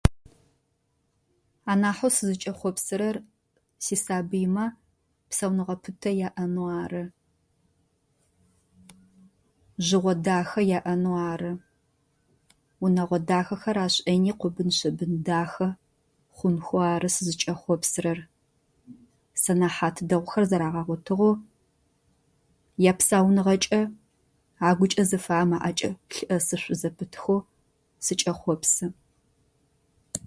Анахьэу сызкӏэхъопсырэр сисабыймэ псэуныгъэ пытэ яӏэныгъо ары. Жъыгъо дахэ яӏэнэу ары. Гъунагъо дахэхэр ашӏэни къубын-шъыбын дахэ хъунхэу ары сызкӏэхъопсырэр. Сэнэхьат дэгъухэр зэрагъэгъотыгъэу япсэуныгъэкӏэ агукӏэ зыфэмыӏэкӏэ лъыӏэсышъу зэпытхэу сыкӏэхъопсы.